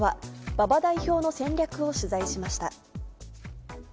馬場代表の戦略を取材しました。